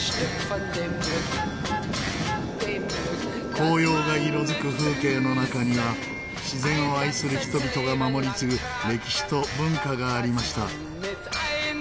紅葉が色付く風景の中には自然を愛する人々が守り継ぐ歴史と文化がありました。